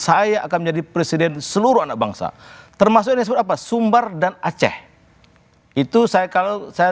saya akan menjadi presiden seluruh anak bangsa termasuk pumping dan aceh itu saya kalau saya